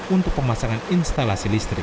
untuk pemasangan instalasi listrik